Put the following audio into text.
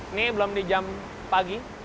ini belum di jam pagi